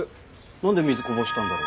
なんで水こぼしたんだろう？